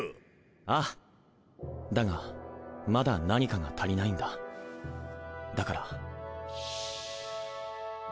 ああだがまだ何かが足りないんだだから